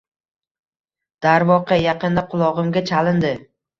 Darvoqe, yaqinda qulog‘imga chalindi